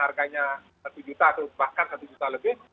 harganya satu juta atau bahkan satu juta lebih